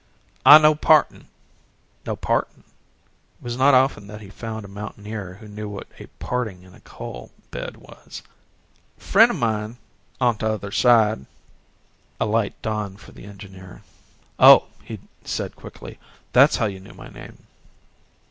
"An' no partin'." "No partin'" it was not often that he found a mountaineer who knew what a parting in a coal bed was. "A friend o' mine on t'other side," a light dawned for the engineer. "Oh," he said quickly. "That's how you knew my name."